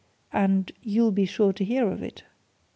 And you'll be sure to hear of it."